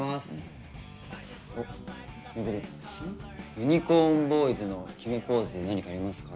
「ユニコンボーイズの決めポーズ何かありますか？」